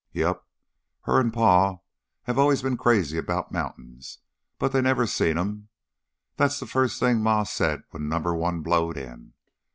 "Yep. Her and Pa have allus been crazy about mountains, but they never seen 'em. That's the first thing Ma said when Number One blowed in.